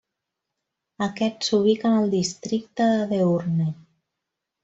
Aquest s'ubica en el districte de Deurne.